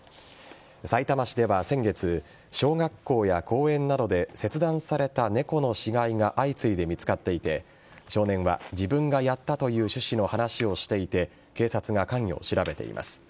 さいたま市では先月小学校や公園などで切断された猫の死骸が相次いで見つかっていて少年は自分がやったという趣旨の話をしていて警察が関与を調べています。